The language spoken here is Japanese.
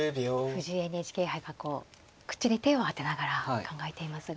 藤井ＮＨＫ杯はこう口に手を当てながら考えていますが。